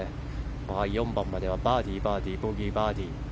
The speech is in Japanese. ４番まではバーディー、バーディーボギー、バーディー。